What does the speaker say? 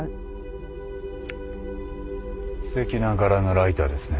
すてきな柄のライターですね。